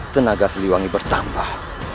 tenaga seliwangi bertambah